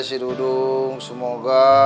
si dudung semoga